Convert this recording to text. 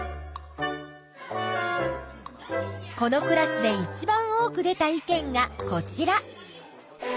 このクラスでいちばん多く出た意見がこちら。